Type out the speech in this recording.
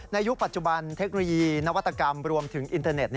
ยุคปัจจุบันเทคโนโลยีนวัตกรรมรวมถึงอินเทอร์เน็ต